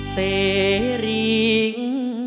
เสรียง